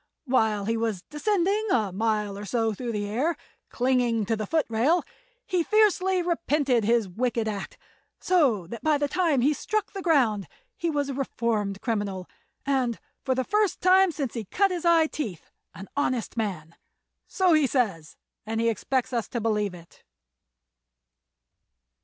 While he was descending a mile or so through the air, clinging to the footrail, he fiercely repented his wicked act, so that by the time he struck the ground he was a reformed criminal, and, for the first time since he cut his eye teeth, an honest man. So he says, and he expects us to believe it.